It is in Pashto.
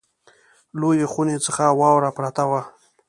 لویې خونې څخه واوره پرته وه.